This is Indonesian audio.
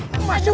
mau tahu banget